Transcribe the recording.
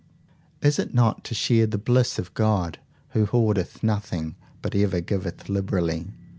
Is it not to share the bliss of God who hoardeth nothing, but ever giveth liberally?